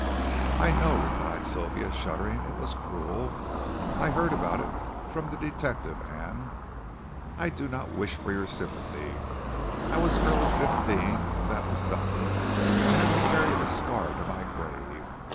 "I know," replied Sylvia, shuddering, "it was cruel. I heard about it from the detective and " "I don't wish for your sympathy. I was a girl of fifteen when that was done, and I will carry the scar to my grave.